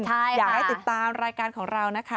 อยากให้ติดตามรายการของเรานะคะ